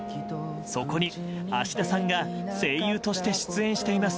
そこに芦田さんが声優として出演しています。